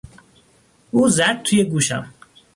او زد توی گوشم.